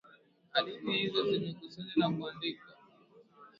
Hadithi hizo zimekusanywa na kuandikwa.